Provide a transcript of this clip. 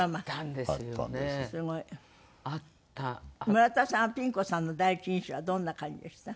村田さんはピン子さんの第一印象はどんな感じでした？